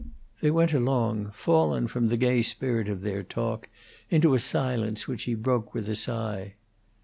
They went along fallen from the gay spirit of their talk into a silence which he broke with a sigh.